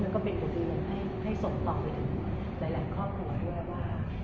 มันก็เป็นปกติให้ยาศบรรยายหลายข้อควรด้วยว่า